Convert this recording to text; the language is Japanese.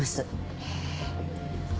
へえ。